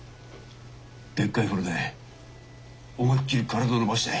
でっかい風呂で思いっきり体伸ばして。